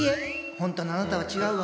本当のあなたは違うわ。